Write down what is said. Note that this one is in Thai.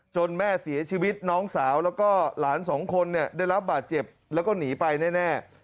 แม่เสียชีวิตน้องสาวแล้วก็หลานสองคนเนี่ยได้รับบาดเจ็บแล้วก็หนีไปแน่